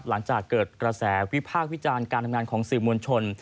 หลังจากเกิดกระแสวิพากษ์วิจารณ์การทำงานของสื่อมวลชน